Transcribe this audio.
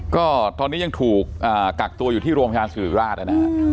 ก็ตอนนี้ยังถูกกักตัวอยู่ที่โรงพยาบาลสุริราชนะฮะ